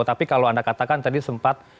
tapi kalau anda katakan tadi sempat